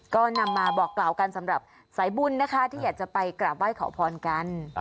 ก็นำมาบอกกล่าวกันสำหรับสายบุญนะคะที่อยากจะไปกราบไหว้ขอพรกัน